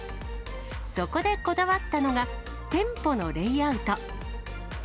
そこでこだわったのが、店舗のレイアウト。